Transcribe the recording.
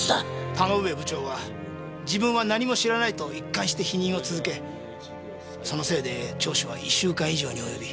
田ノ上部長は自分は何も知らないと一貫して否認を続けそのせいで聴取は１週間以上に及び。